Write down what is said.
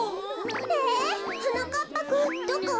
えはなかっぱくんどこ？